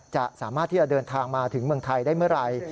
สามารถที่จะเดินทางมาถึงเมืองไทยได้เมื่อไหร่